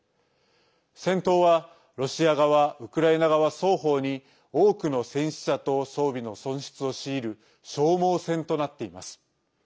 戦闘は、ロシア側ウクライナ側双方に多くの戦死者と装備の損失を強いる消耗戦となっています。